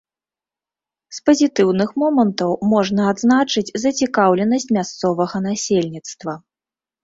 З пазітыўных момантаў можна адзначыць зацікаўленасць мясцовага насельніцтва.